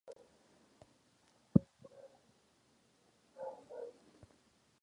En su reinado Kush consiguió recuperar buena parte de su poder.